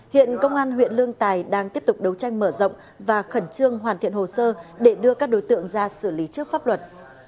hiện công an huyện lương tài đang tiếp tục đấu tranh mở rộng và khẩn trương hoàn thiện hồ sơ để đưa các đối tượng ra xử lý trước pháp luật